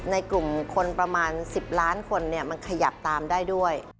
ในกลุ่มคนประมาณ๑๐ล้านคนมันขยับตามได้ด้วย